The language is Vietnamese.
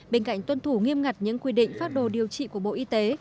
bên cạnh tuân thủ nghiêm ngặt những quy định phát đồ điều trị của bộ y tế